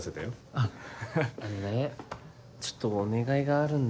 あのねちょっとお願いがあるんだけど。